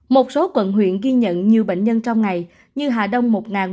một số quận huyện ghi nhận nhiều bệnh nhân trong ngày như hà đông một một trăm tám mươi một